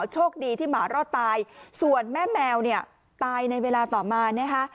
โชคดีที่หมารอดตายส่วนแม่แมวเนี่ยตายในเวลาต่อมานะคะ